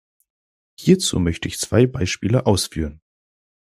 Hierzu möchte ich zwei Beispiele ausführen.